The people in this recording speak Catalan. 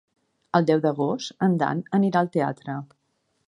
El deu d'agost en Dan anirà al teatre.